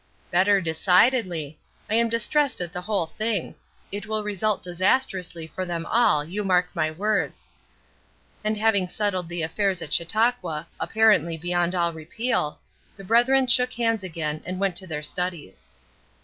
"Better, decidedly. I am distressed at the whole thing. It will result disastrously for them all, you mark my words." And having settled the affairs at Chautauqua, apparently beyond all repeal, the brethren shook hands again and went to their studies.